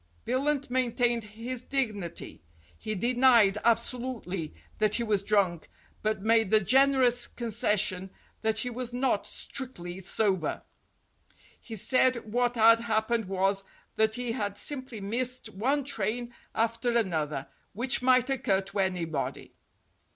Billunt maintained his dignity. He denied abso lutely that he was drunk, but made the generous con i88 STORIES WITHOUT TEARS cession that he was not strictly sober. He said what had happened was, that he had simply missed one train after another, which might occur to anybody.